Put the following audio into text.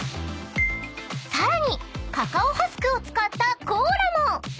［さらにカカオハスクを使ったコーラも］